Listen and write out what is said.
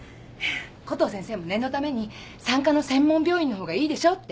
コトー先生も念のために産科の専門病院のほうがいいでしょうって。